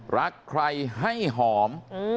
รักใครให้หอม